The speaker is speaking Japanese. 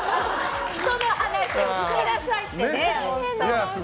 人の話を聞きなさいってね。